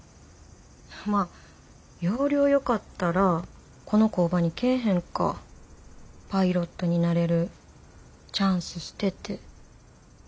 まあ要領よかったらこの工場に来ぇへんか。パイロットになれるチャンス捨てて。